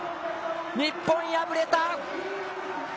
日本敗れた。